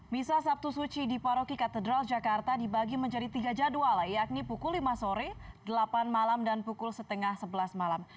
misa sabtu suci di paroki katedral jakarta dibagi menjadi tiga jadwal yakni pukul lima sore delapan malam dan pukul setengah sebelas malam